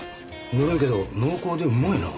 ぬるいけど濃厚でうまいな。